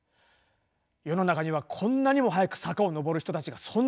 世の中にはこんなにも速く坂を上る人たちが存在するのか。